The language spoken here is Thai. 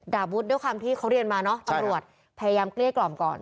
วุฒิด้วยความที่เขาเรียนมาเนอะตำรวจพยายามเกลี้ยกล่อมก่อน